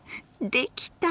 できた。